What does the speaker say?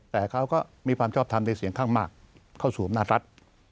แต่เขาก็มีความชอบทำในเสียงข้างมากเข้าสู่อำนาจรัฐ